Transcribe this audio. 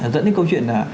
dẫn đến câu chuyện là